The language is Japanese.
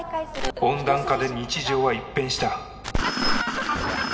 温暖化で日常は一変した。